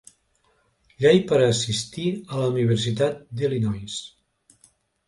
Llei per assistir a la Universitat d'Illinois.